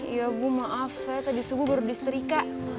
iya bu maaf saya tadi subuh baru beli setrika